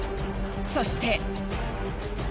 そして。